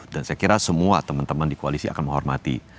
dan saya kira semua teman teman di koalisi akan menghormati